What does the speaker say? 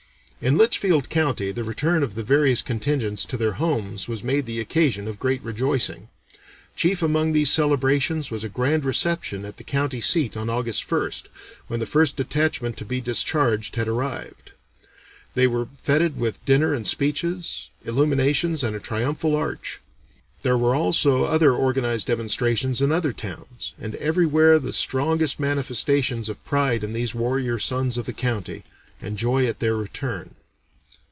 In Litchfield County the return of the various contingents to their homes was made the occasion of great rejoicing. Chief among these celebrations was a grand reception at the county seat on August 1st, when the first detachment to be discharged had arrived; they were fêted with dinner and speeches, illuminations and a triumphal arch. There were also other organized demonstrations in other towns, and everywhere the strongest manifestations of pride in these warrior sons of the county, and joy at their return.